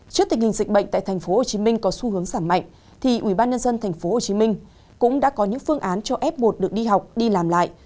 trước tình hình dịch bệnh tại tp hcm có xu hướng giảm mạnh thì ubnd tp hcm cũng đã có những phương án cho f một được đi học đi làm lại